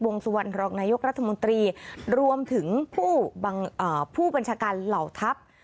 สุวรรณรองนายกรัฐมนตรีรวมถึงผู้บัญชาการเหล่าทัพ